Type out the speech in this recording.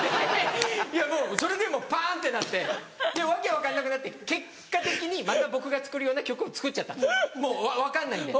いやもうそれでパン！ってなって訳分かんなくなって結果的にまた僕が作るような曲を作っちゃったもう分かんないんで。